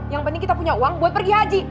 yang penting kita punya uang buat pergi haji